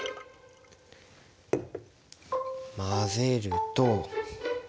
混ぜると。